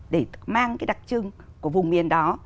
để mang cái đặc trưng của vùng miền đó